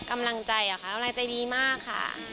กำลังใจเหรอคะกำลังใจดีมากค่ะ